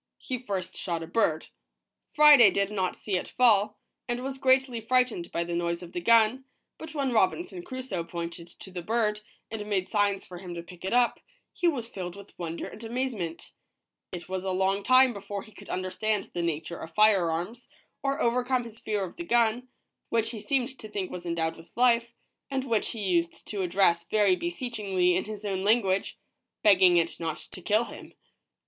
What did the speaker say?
He first shot a bird. Friday did not see it fall, and was greatly frightened by the noise of the gun, but when Robinson Crusoe pointed to the bird, and made signs for him to pick it up, he was filled with wonder and amazc *44 WATCHING THE RAVAGES, ROBINSON CRUSOE . ment. It was a long time before he could understand the Nature of fire arms, or overcome his fear of the gun, which he seemed to think was endowed with life, and which he used to address very beseechingly in his own language, begging it not to kill him.